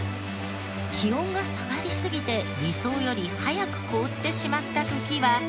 気温が下がりすぎて理想より早く凍ってしまった時は。